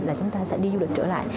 là chúng ta sẽ đi du lịch trở lại